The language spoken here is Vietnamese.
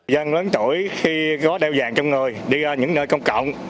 dân lớn tuổi khi có đeo vàng trong người đi ra những nơi công cộng